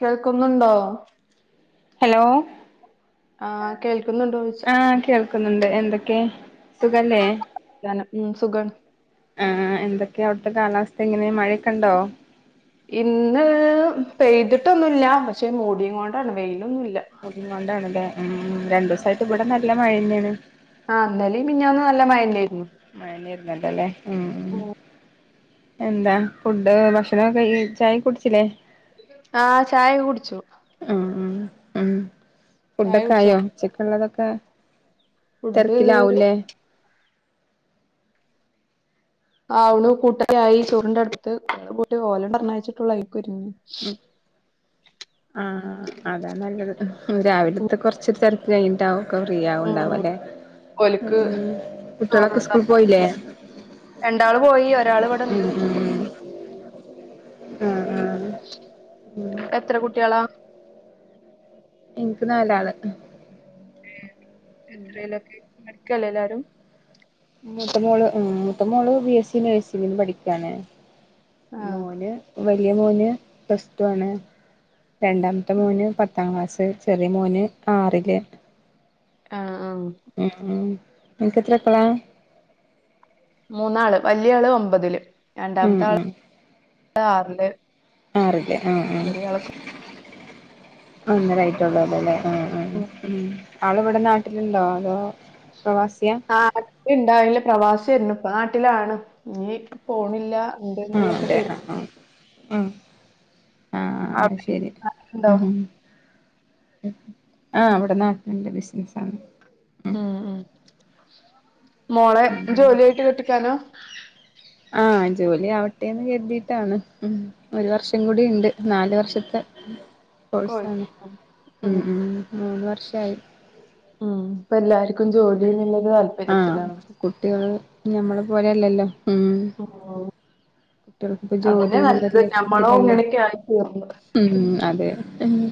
കേൾക്കുന്നുണ്ടോ ഹലോ ആഹ് കേൾക്കുന്നുണ്ടോ ചോ ആഹ് കേൾക്കുന്നുണ്ട് എന്തൊക്കെയാ സുഖല്ലേ ഞാന് ഉം സുഖാണ് ആഹ് എന്തൊക്കെയ അവിടുത്തെ കാലാവസ്ഥ ഇങ്ങനെ മഴയൊക്കെണ്ടോ ഇന്ന് പെയ്തിട്ടൊന്നുല്ല പക്ഷെ മൂടിയും കൊണ്ടാണ് വെയിലൊന്നുല്ല. [unintelligible] ഉം രണ്ടു ദിവസായിട്ട് ഇവിടെ നല്ല മഴ തന്നെയാണ്. ആഹ് ഇന്നലെയും മെനിഞ്ഞാന്നും നല്ല മയണ്ടായിരുന്നു [unintelligible] ഇരുന്നല്ലല്ലേ ഉം എന്താ ഫുഡ് ഭക്ഷണകെ ചായ കുടിച്ചില്ലേ? ആഹ് ചായക്കെ കുടിച്ചു. ഉം ഉം ചായ ഫുഡൊക്കെ കുടിച്ചോ ആയോ ചിക്കൻ ഉള്ളതൊക്കെ ഫുഡ് തിരക്കിലാവുലേ. ആവണ് കൂട്ടാനായി ചോറിന്റെ അടുത്ത് കൂട്ടി ഓല പറഞ്ഞായച്ചിട്ടുള്ള ആയിനൊക്ക ഒരുങ്ങ. ഉം ആഹ് അതാ നല്ലത് രാവിലത്തെ കുറച്ച് തെര് [unintelligible] ക്കെ ഫ്രീ ആണ്ടാവ ഉം അല്ലേ ഉം ഓല്ക്ക് കുട്ടികളൊക്കെ സ്കൂൾ ചോറുണ്ടാക്കാ പോയില്ലേ. രണ്ടാള് പോയി ഒരാൾ ഇവിടെണ്ട് ഉം ഉം ആഹ് ആഹ് ഉം എത്ര കുട്ട്യാളാ എനിക്ക് നാലാള് എത്രയിലോക്കെ പഠിക്കല്ലേ എല്ലാരും മൂത്ത മോള് ഉം മൂത്ത മോള് ബി എസ് സി നഴ്സിംഗിന് പഠിക്കാണ് ആഹ് മോന് വലിയ മോന് പ്ലസ് ടു ആണ് രണ്ടാമത്തെ മോന് പത്താം ക്ലാസ് ചെറിയ മോന് ആറില്, ആഹ് ആഹ്. ഉം ഉം അനക്ക് എത്രക്കളാ? മൂന്നാള് വലിയ ആള് ഒമ്പതില് ഉം രണ്ടാമത്തെ ആള് ഉം ആറില്. ആറില് ആഹ് ആഹ് ചെറിയ ആള് ഒന്നേരയിട്ടോള്ളോലൊ ല്ലേ ആഹ് ആഹ് ഉം ആളിവിടെ നാട്ടില്ണ്ടോ അതോ പ്രവാസിയാ നാട്ടിൽ ഇണ്ടായില്ല. പ്രവാസേര്ന്നു ഇപ്പൊ നാട്ടിലാണ് ഇനി പോണില്ല. ആഹ് എന്തെന്നില്ലൊക്കെ അതെ തീരുമാനം ആഹ് ആഹ്. ആഹ് അവിടെ അയ്ശെരി ഉണ്ടോ ഉം. ആഹ് ഇവിടെ നാട്ടിലിണ്ട് ബിസിനസ് ആണ് ഉം ഉം മോളെ ജോലിയായിട്ട് കെട്ടിക്കാനാ ആഹ് ജോലി ആവട്ടെന്ന് കരുതിയിട്ടാണ് ഉം ഒരു വർഷം കൂടിണ്ട് നാല് വർഷത്തെ കോഴ്സ് കോഴ്സാണ് ഉം ഉം മൂന്ന് വർഷായി. ഉം ഇപ്പൊ എല്ലാർക്കും ജോലിന്നത് അല്. ആഹ് കുട്ടികൾ ഞമ്മളെ പോലെല്ലല്ലോ ഉം. കുട്ടികളിപ്പോ അതന്നെ ജോലി ന്ന്ള്ള നല്ലത് ഞമ്മളോ ലക്ഷ്യത്തിലല്ലേ ഇങ്ങനെയൊക്കെ ആയി തീർന്നു ഉം അതെ ഉംഹ്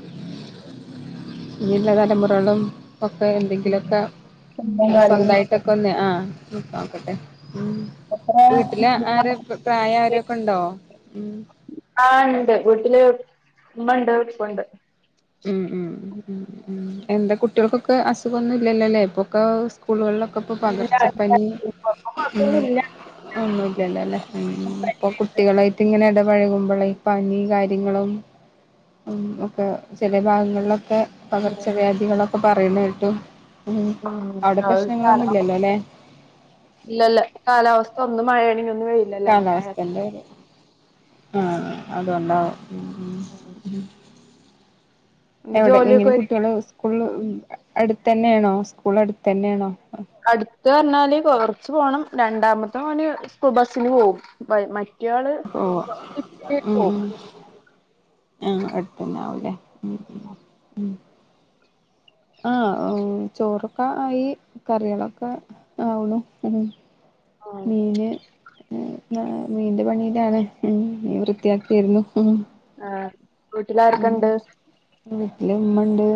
ഇഞ്ഞ്ള്ള തലമുറകളും ഒക്കെ എന്തെങ്കിലുക്കെ. [unintelligible] സ്വന്തയിട്ടൊക്കൊന്ന് ആഹ് നോക്കട്ടെ ഉം വീട്ടില് ആര പ്രായം എത്ര ആരൊക്കെണ്ടോ ഉം ആഹ് ണ്ട് വീട്ടില് ഉമ്മണ്ട് പ്പണ്ട് ഉം ഉം ഉം ഉം എന്താ കുട്ടികൾക്കൊക്കെ അസുഖൊന്നുല്ലല്ലോല്ലേ ഇപ്പൊക്കെ സ്കൂളുകളിലൊക്കെ പ്പോ ഇല്ല പകർച്ചപ്പനി ഉം കൊഴപ്പൊന്നുല്ല ഒന്നുംല്ലല്ല ല്ലേ ഉംഹ് ഇപ്പൊ പനിയായിട്ട് കുട്ടികളായി. ട്ത്തിങ്ങനെ എടപഴകുമ്പളെ പനി കാര്യങ്ങളും ഉം ഒക്കെ ചെല ഭാഗങ്ങളിലൊക്കെ ഉം പകർച്ചവ്യാധികളൊക്കെ പറയുന്ന കേട്ടു. ഉം അവിടെ അത് കാലാവസ്ഥ പ്രശ്നങ്ങളൊന്നുല്ലല്ലോ ലേ ഇല്ലല്ല കാലാവസ്ഥ ഒന്ന് മഴയാണെങ്കി ഒന്ന് വെയിൽ കാലാവസ്ഥന്റൊരു ആഹ് അതൊണ്ടാവും ഉം ഉം ഉം എന്റെ എവിടെ ജോലിയൊക്കെ എങ്ങനെ ഒരുങ്ങി കുട്ടയാൾ [unintelligible] സ്കൂള് അടുത്തന്നേണോ സ്കൂൾ അടുത്തന്നേണോ അടുത്ത് പറഞ്ഞാല് കൊറച്ച് പോണം. രണ്ടാമത്തെ മോന് സ്കൂൾബസിന് പോവും. [unintelligible] ഓഹ ഉം ഉം ആഹ് അട്ത്തന്നെ ആവൂല്ലേ ഉം ഉം ആഹ് ചോറൊക്കെ ആയി കറികളൊക്കെ ആവണു ഉം ആഹ് മീന് ഞാ മീന്റെ പണിയിലാണ് ഉം മീൻ വൃത്തിയാക്കേര്ന്നു ഉം ആഹ് വീട്ടിലാരൊക്കെണ്ട്? വീട്ടില്മ്മണ്ട്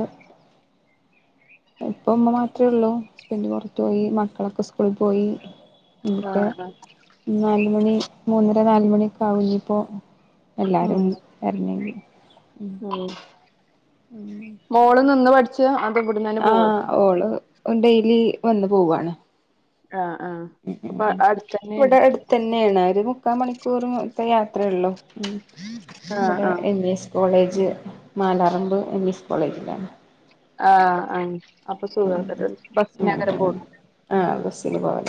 ഇപ്പം മ്മ മാത്രേ ഉള്ളൂ. ഹസ്ബന്റ് പുറത്തു പോയി മക്കളൊക്കെ സ്കൂളിൽ പോയി. ഇഞ്ഞിപ്പോ ആഹ് ആഹ് നാലുമണി മൂന്നര നാലുമണിയൊക്കെ ണ്ടാവും ഞ്ഞിപ്പോ എല്ലാവരും ഒന്ന് എർങ്ങെങ്കിൽ. ഓഹ്. ഉം. മോള് നിന്ന് പഠിച്ചേ അതോ ഇവിട്ന്നന്നെ പോവോ ഓള് ഡെയിലി വന്ന് പോവാണ് ആ ആ അപ്പ അടുത്തന്നെയാണ് തന്നെയാണ് ഒരു മുക്കാൽ മണിക്കൂറും ഇപ്പ യാത്രയൊള്ളൂ മ് ആഹ് ഇവിടെ ആഹ് M E S college മാലാറമ്പ് M E S കോളേജിലാണ് ആ ആ അപ്പൊ സുഖേക്കാരം ബസ്സിനങ്ങനെ പോണം ആ ബസ്സിന് പോകല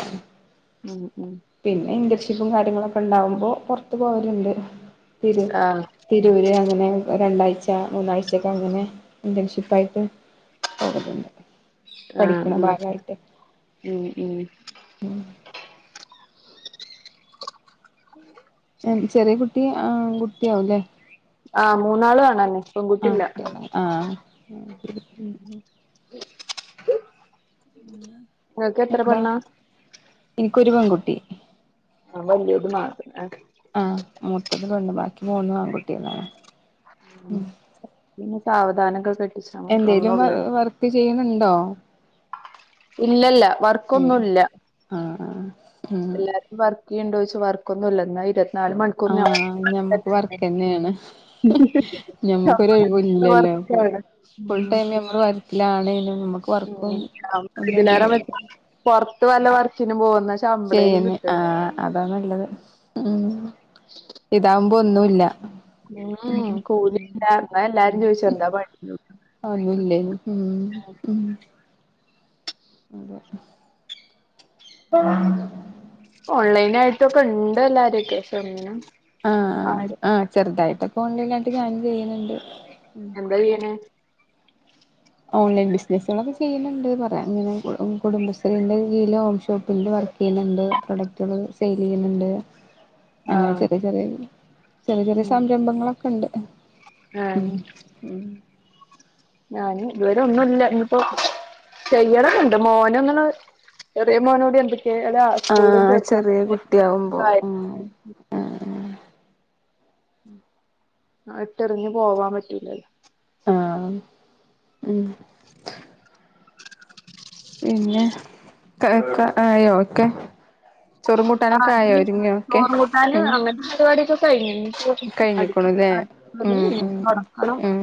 മ് മ് പിന്നെ ഇന്റർഷിപ്പും കാര്യങ്ങളൊക്കെ ണ്ടാവുമ്പോ പൊറത്തു പോവലിണ്ട് തിരു ആഹ് തിരൂര് അങ്ങനെ രണ്ടാഴ്ച മൂന്നാഴ്ചക്കെങ്ങനെ ഇന്റേൺഷിപ്പായിട്ട്. പോകല്ണ്ട് ആഹ് പഠിക്കണ ഉം ഭാഗായിട്ട് ഉം ഉം ചെറിയ കുട്ടി ആൺകുട്ടിയാവുല്ലേ. ആ മൂന്നാളും ആണേനെ പെൺകുട്ടില്ല. ആ അയ്ശെരി. [unintelligible] ഇങ്ങെക്ക് എത്ര എന്താ പെണ്ണാ? എനിക്കൊരു പെൺകുട്ടി ആ വല്യത് മാണം ആ ആ മൂത്തത് പെണ്ണ് ബാക്കി മൂന്നും ആൺകുട്ടികളാണ് മ് ഉം പിന്നെ സാവധാനൊക്കെ കെട്ടിച്ച മതി ഒന്നൊള്ളല്ലോ [unintelligible] ചെയ്യുണ് ണ്ടോ? ഇല്ലല്ല വർക്കൊന്നുല്ല. ആ ആ എല്ലാരും വർക്ക് ചെയ്യ്ണ്ടാെയ്ച്ചാ വർക്ക് ഒന്നും ഇല്ലാ ന്ന ഇരുപത്തിനാല് മണി. ആ ഞമ്മക്ക് വർക്കെന്നേണ് ഞമ്മക്കൊരൊയിവുല്ലല്ലോ ഫുൾ വർക്കാണ് ഉം ഫുൾടൈം ഞമ്മ ഓള് വർക്കിലാണെലും നമ്മക്ക് ഉം ഇതിലാറെ മെച്ചം പൊറത്ത് വല്ല വർക്കിനും പോകുന്ന ചെയ്യുന്നേ ആഹ് അതാ നല്ലത് ഉം ഇതാവുമ്പോ ഒന്നുല്ല ഉം കൂലില്ല ന്നാ എല്ലാരും ചോയിച്ചും എന്താ പണിന്ന് ഒന്നില്ലേനും മ് മ്. [unintelligible] ഓൺലൈൻ ആയിട്ടൊക്കെണ്ട് എല്ലാരൊക്കെ പക്ഷെനും ആഹ് ആഹ് ആഹ് ചെറുതായ് ട്ടൊക്കെ ഓൺലൈലായിട്ട് ഞാനും ചെയ്യുന്നുണ്ട്. എന്തെയ്യ്ണ്. ഓൺലൈൻ ബിസിനസ്സുകളൊക്കെ ചെയ്യുന്നുണ്ട്ന്ന് പറയാം ഇങ്ങനെ കുടുംബശ്രീന്റെ കീഴിലും ഹോം ഷോപ്പിന്റെ വർ ചെയ്യുന്നുണ്ട് പ്രൊഡക്ടുകള് സെയിൽ ചെയ്യുന്നുണ്ട്. അങ്ങനെ ആഹ് ചെറിയ ചെറിയ ചെറിയ ചെറിയ സംരംഭങ്ങളൊക്കെ ണ്ട് ആണ് മ് ഞാന് ഇതുവരെ ഒന്നുല്ല ഇഞ്ഞിപ്പോ ചെയ്യണന്ന്ണ്ട് മോനൊന്ന്ണ് ചെറേ മോനോടി എന്തൊക്കെയാല്ലേ ആ സ്കൂളില ആഹ് ച വെച്ചാ ചെറിയ കുട്ടിയാവുമ്പോ ആഹ് ആഹ് ഇട്ടെറിഞ്ഞ് പോവാൻ പറ്റൂലല്ലോ ആ മ് പിന്നെ ഒക്കെ ആയോ ഒക്കെ ചൊറും കൂട്ടാനൊക്കെ ആഹ് ആയോ ഇനി ഒരുങ്ങിയോ ഒക്കെ ചോറും കൂട്ടാന് ഉം അങ്ങനത്തെ പരിപാടിയൊക്കെ കഴിഞ്ഞു ഇനിയിപ്പോ അടി കഴിഞ്ഞിക്കണുല്ലേ മ് അടിച്ചുവാരല് മ് കഴിഞ്ഞു തൊടക്കണം മ് മ്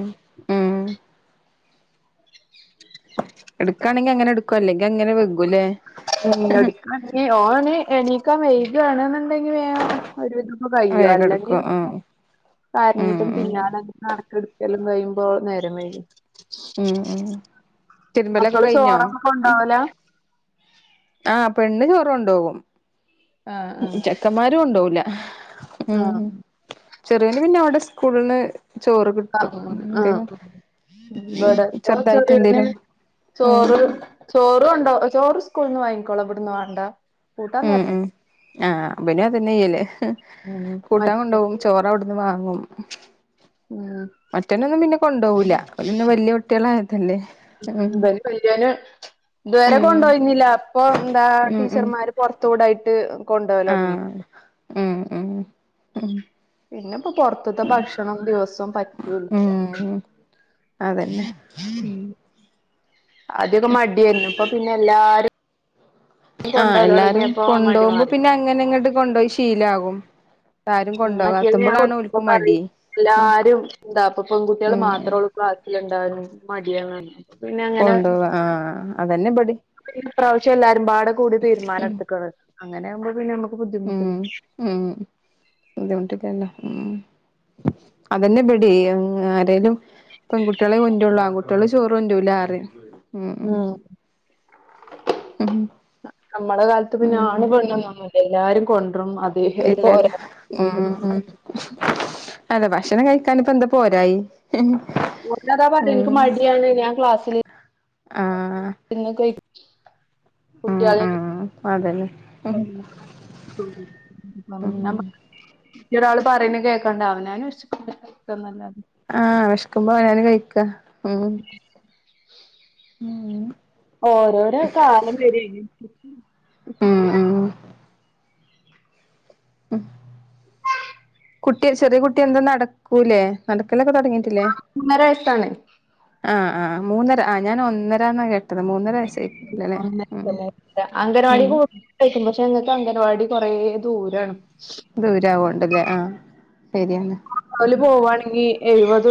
ഇട്ക്കാണെങ്കിൽ അങ്ങനെ ഇട് ക്കും അല്ലെങ്കിൽ അങ്ങനെ വെ. [inaudible] [inaudible] ഓന് എണീക്കാൽ വൈകണെന്നുണ്ടെങ്കി വേം ഒരുവിധക്കെ കയ്യും അല്ലെങ്കിൽ. ആഹ് കാരഞ്ഞിട്ടും പിന്നാല നടക്കലും ഇടുക്കലും കഴിയുമ്പോൾ നേരം വഴുകും. ഉം ഉം തിരുമ്പലൊക്കെ കഴിഞ്ഞോ ചോറൊക്കെ കൊണ്ടോവലാ ആഹ് പെണ്ണ് ചോറ് കൊണ്ടോകും ആഹ് ചെക്കന്മാര് കൊണ്ടോവൂല ഉം ചെറിയന് പിന്നെ ഓന്റെ സ്കൂള് ന്ന് ചോറ് കിട്ടും ആഹ് എന്തെലും. ഇവിടെ ഓ ചെറുതായിട്ട് ചെറിയോന് എന്തേലും. ഉം ചോറ് ചോറ് കൊണ്ടോ ചോറ് സ്കൂള്ന്ന് വാങ്ങിക്കോള ഇവിടന്ന് വാണ്ട. കൂട്ടാൻ ഉം തരണം ഉം ആഹ് ബനും അതന്നെ ചെയ്യല് ഉം കൂട്ടാം മറ്റേ കൊണ്ടോകും ചോറവിട്ന്ന് വാങ്ങും ഉം മറ്റോനൊന്നും പിന്നെ കൊണ്ടോവൂല ഓല് പിന്നെ വല്യ കുട്ട്യളായതല്ലേ ഉം ഇവന് വല്ല്യോന് ഇതുവരെ കൊണ്ട് ഉം പോയിന്നില്ല അപ്പൊ എന്താ ഉം ഉം ടീച്ചർമാര് പൊറത്തൂടായിട്ട് ആഹ് ഉം ഉം ഉം പിന്ന ഇപ്പൊ പൊറത്തത്ത ഭക്ഷണം ദിവസോം പറ്റൂല്ല ഉം അതന്നെ ഉം ആദ്യൊക്ക മടിയാന്നു ഇപ്പ പിന്നെ എല്ലാരും ആഹ് കൊണ്ടോവല് എല്ലാരും തൊടങ്ങിയപ്പോ മടി കൊണ്ടുപോകുമ്പ മാറി പിന്നെ അങ്ങനെ ഇങ്ങട്ട് കൊണ്ടുപോയി ശീലാകും ആരും ഉം [unintelligible] ഞാൻ കൊണ്ടോകാത്തുമ്പളാണ് കൊട് ഓൽക്ക് [unintelligible] മടി പറയും ഉം എല്ലാരും എന്താ അപ്പ പെൺകുട്ടികള് ഉം ഉം മാത്രേ ഒള്ളൂ [unintelligible] മടിയാണ് പിന്നെ കൊണ്ട് പോവാൻ ആഹ് അതന്നെ ഇവടേം ഈ പ്രാവശ്യംല്ലാരുംപാടെ കൂടി തീരുമാനട്ത്ത്‌ ക്കാണ് അങ്ങനെ ആകുമ്പോ പിന്നെ നമുക്ക് ഉം ബുദ്ധിമുട്ടണ്ട് ഉം ബദ്ധിമുട്ടില്ലല്ലോ ഉം അതന്നെ ഇബടിം ഉം ആരേലും പെൺകുട്ടിളെ കൊൻഡ്രോള്ളു ആൺകുട്ടികള് ചോറ് കൊണ്ട്രുലറിം നമ്മള് കാലത്ത് പിന്ന ആണ് അങ്ങനെ പെണ്ണ് നൊന്നുല്ലാ എല്ലാരും കൊണ്ടരും അത് ഒരു ഇല്ല ഇല്ല പോരാ ഉം അതെ ഭക്ഷണം കഴിക്കാനിപ്പോ എന്താ പോരായി ഉം [unintelligible] [unintelligible] എനിക്ക് മടിയാണ് ഞാൻ ക്ലാസ്സില് ആഹ് പിന്നഴ ഉം കുട്ടിയാൾ ഉം അതന്നെ [unintelligible] ഉം നമ്മ ഈ ഒരാള് പറയണ കേക്കാണ്ടാ അവനാൻ വെശ്ക്കുമ്പോ കൈക്കാന്നല്ലാതെ ആഹ് വെഷ്ക്കുമ്പ ആഹാരം കഴിക്ക ഉം ഉം ഓരോരോ കാലം വരെ ഉം ഉം [unintelligible] [inaudible] കുട്ടി ചെറിയ കുട്ടി എന്താ നടക്കൂലേ നടക്കലൊക്ക തൊടങ്ങി ആഹ് മൂന്നര വയസ്സാണ് ആഹ് ആഹ് മൂന്നര ആഹ് ഞാൻ ഒന്നരാന്നാ കേട്ടെ അംഗൻവാടി ഉം കൂ [unintelligible] പക്ഷെ ഞങ്ങക്ക് അംഗനവാടി കൊറേ ദൂരേണ് ദൂരവോണ്ടല്ലേ ആഹ് ശരിയെന്നാ ഓല് പോവാണെങ്കി എഴുപത്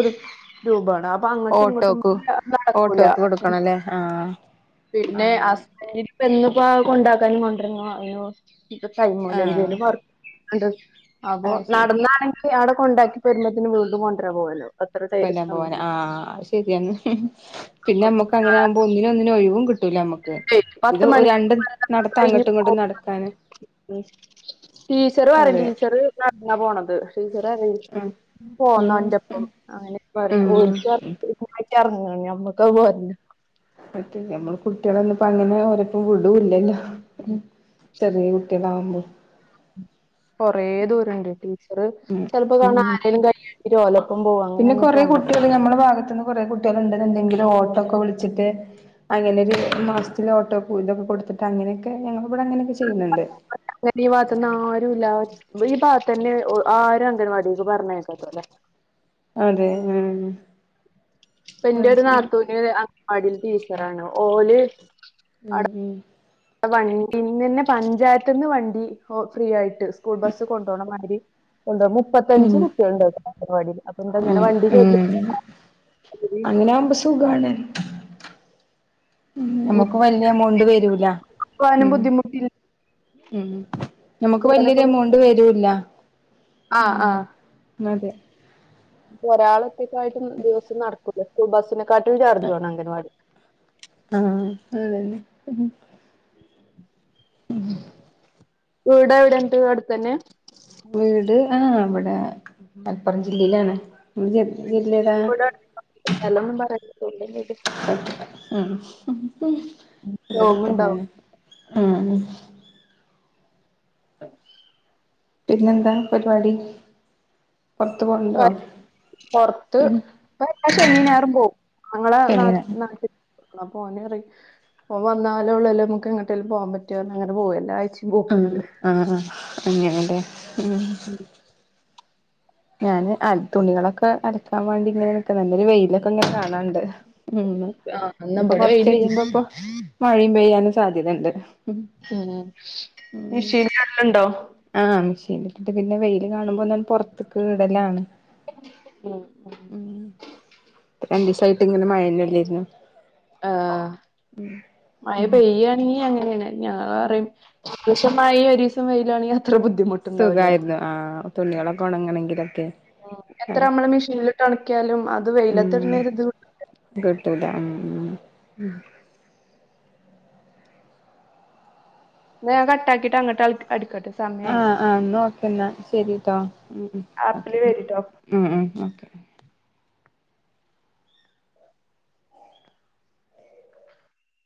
രൂപേ ണ് പ്പ അങ്ങട്ടും ഇങ്ങട്ടും നടക്കൂല അല്ലെ ആഹ് പിന്നെ അങ്ങനെ [unintelligible] ഇന്ന്പ്പൊ കൊണ്ടാക്കാനും കൊണ്ടരാനും വര്ണു ഇപ്പൊ ടൈമൂല ആഹ് എന്തേലും വർ ക്കണ്ട് അപ്പൊ അത് ശരി നടന്നാണെങ്കി [unintelligible] അവിട കൊണ്ടാക്കി വരുന്നതിന് വീണ്ടും കൊണ്ടുവരാ പോവല്ലൊ ആ അത് ശെരിയ പിന്നെ നമ്മുക്ക് അങ്ങനെ ആകുമ്പോ ഒന്നിനും ഒന്നിനും ഒഴിവും കി ട്ടൂല നമ്മുക്ക് ഇത് പത്ത് മണിക്ക് രണ്ട് നടത്ത അങ്ങട്ടും ഇങ്ങട്ടും നടക്കാന് ഉ ടീച്ചറ് പറയും അതെ ടീച്ചറ് നടന്നാ പോണത് ടീച്ചറ് ഉം പോന്നോന്റപ്പം അങ്ങനെ പറയാ ഉം ഓരിക്ക് ഉം ഇറങ്ങ ഞമ്മുക്ക പോല്ല പറ്റൂല നമ്മള് കുട്ടികളാര്ന്നപ്പ അങ്ങനെ ഒരെടത്തും വിടൂല്ലല്ലോ ഉം ചെറിയ കുട്ടികളാവുമ്പൊ കൊറേ ദൂരണ്ട് ടീച്ചറ് ഉം ചെൽപ്പോ കാണാ ഉം ആരേലും കയ്യ്ട്ട്ട്ട് ഓലപ്പം പോണ് പിന്നെ കുറെ കുട്ടിൾ ഞമ്മുടെ ഭാഗത്തുനിന്ന് കുറെ കുട്ടികൾ ഉണ്ടെന്നുണ്ടെങ്കിലും ഓട്ടോക്കെ വിളിച്ചിട്ട് അങ്ങനെക്കെ ഇരിക്കുമ്പം മാസത്തില് ഓട്ടോ കൂലി ഒക്കെ കൊടുത്തിട്ട് അങ്ങനെയൊക്കെ ഞങ്ങള ഇവടെ അങ്ങനെയൊക്കെ ചെയ്യുന്നുണ്ട് എന്നിട്ട് ഈ ഭാഗത്ത്‌ന്ന് ആരും ഇല്ല ഈ ഭാഗത്തന്നെ ആരും അംഗൻവാടിയിൽ പറഞ്ഞേക്കത്തില്ല അതെ ഉം ഇപ്പ എന്റെ ഒര് നാത്തൂന് അംഗൻ വാടീല് ടീച്ചറാണ് ഓല് ഉം ഉം വണ്ടി ഇന്നന്നെ പഞ്ചായത്ത് നിന്ന് വണ്ടി ഫ്രീ ആയിട്ട് സ്കൂൾ ബസ് കൊണ്ടോണ മാതിരി ഒണ്ട് മുപ്പത്തഞ്ച് ഉം കുട്ടികള്ണ്ട് [unintelligible] അംഗൻവാടിയില് ഉം ഉം അങ്ങനാവുമ്പ സുഖാണ് ഉം നമ്മുക്ക് വല്ല്യ എമൗണ്ട് വരൂല പോവാനും ഉം ബുദ്ധിമുട്ടില്ല ഉം നമ്മക്ക് പോവാനൊക്കെ വലിയൊരു ഒന്ന് എമൗണ്ട് വരൂല്ല ആഹ് ഉം അതെ ഒരാളൊക്കെക്കായിയിട്ടും ദിവസം നടക്കൂലെ സ്കൂൾ ബസ്സിനെക്കാട്ടും ചാർജ് ആണ് അംഗൻവാടി ആഹ് അതെല്ലേ ഉം ഉം ഉം വീട് എവിടെണ്ട് അട്ത്ത് തന്നെ വീട് ആഹ് ഇവിടെ മലപ്പുറം ജില്ലയിലാണ് അതിന്റെ ഇല്ലതാ ചുറ്റും കൂടെ സ്ഥലൊന്നും പറയണ്ട ഉ രോഗണ്ടാവും [unintelligible] പിന്നെന്താ പരിവാടി പൊറത്ത് പോക [unintelligible] പൊറത്ത് ഇപ്പ എല്ലാ ശനീം ഞായറും പോവും ഞങ്ങളാ നാ എങ്ങനെ നാട്ടിൽ ആഹ് പോനെറി ഓള് വന്നാലോ ഉള്ള് നമുക്ക് എങ്ങട്ടേലും പോവാൻ പറ്റു അങ്ങനെ പോവും എല്ലാ ആഴ്ച്ച ആഹ് ആഹാ അങ്ങനെല്ലെ ഉം [unintelligible] ഞാന് അ തുണികളൊക്കെ അലക്കാൻ വേണ്ടി ഇങ്ങനെ നിക്ക നല്ലൊരു വെയിലൊക്കെ ഇങ്ങനെ കാണാണ്ട് ഉം ആഹ് ഇന്ന് ഇനിപ്പൊ ഇബടെ കൊറച്ച് വെയിലില്ല കഴിയുംമ്പ പ്പ മഴേം പെയ്യാനും സാധ്യത ഇണ്ട് ഉം മെഷീലല്ലണ്ടൊ ആഹ് മെഷീൻല് ഇട്ടിട്ട് പിന്നെ വെയില് കാണുമ്പൊ ഒന്നാണ്ട് പൊർത്ത്ക്ക്ടലാണ് ഉം ഉം രണ്ടിസായിട്ട് ഇങ്ങനെ മഴേല്ലായിരുന്നു ആഹ് മയ പെയ്യെണെങ്കി അങ്ങനേണ് ഞാൻ പറയും ഷാ മായ ഒരീസം വെ യിലാണെങ്കിൽ അത്ര ബുദ്ധിമുട്ട് സുഖായിരുന്നു ആഹ് തുണികളൊക്ക ഒണങ്ങണങ്കിലൊക്കെ ഉം എത്ര നമ്മള് മെഷീനില് ഇട്ട് ഒണക്കിയാലും അത് വെയിലത്തിടണെ ഒര് ഇത് കിട്ടുല ഉ മ് ന്നാ ഞാൻ കട്ടാക്കിട്ട് അങ്ങട്ട് അടിക്കട്ട ആഹ ആ ഓക്കേ എന്നാ ശരിട്ടോ ഉ ഓെ ആപ്പില് കേറിട്ടോ ഉ ഉ ഓെകെ